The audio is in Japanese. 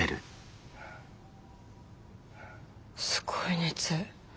すごい熱。